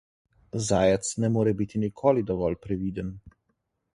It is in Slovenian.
Zajec ne more biti nikoli dovolj previden.